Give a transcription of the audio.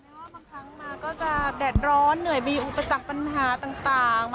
ว่าบางครั้งมาก็จะแดดร้อนเหนื่อยมีอุปสรรคปัญหาต่าง